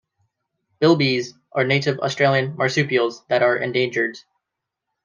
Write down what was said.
Bilbies are native Australian marsupials that are endangered.